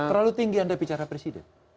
terlalu tinggi anda bicara presiden